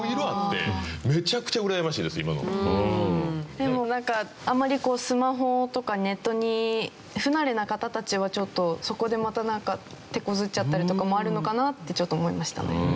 でもなんかあんまりスマホとかネットに不慣れな方たちはちょっとそこでまたなんか手こずっちゃったりとかもあるのかなってちょっと思いましたね。